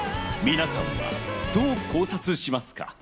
皆さんは、どう考察しますか？